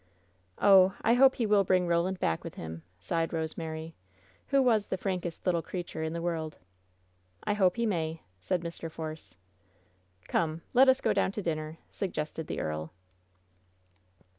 "Oh, I hope he will bring Roland back with him!" sighed Rosemary, who was the frankest little creature in the world. "I hope he may," said Mr. Force. "Come! Let us go down to dinner," suggested the earl.